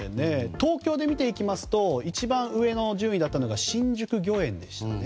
東京で見ていきますと一番上の順位だったのが新宿御苑でしたね。